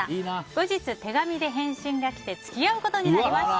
後日、手紙で返信が来て付き合うことになりました。